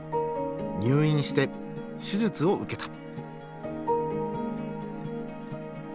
入院して手術を受けた。